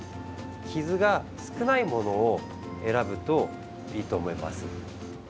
傷が少ないものを選ぶといいと思います。